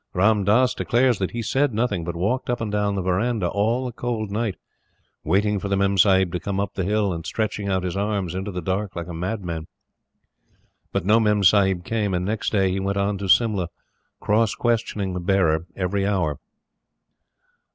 Ram Dass declares that he said nothing, but walked up and down the verandah all the cold night, waiting for the Memsahib to come up the hill and stretching out his arms into the dark like a madman. But no Memsahib came, and, next day, he went on to Simla cross questioning the bearer every hour.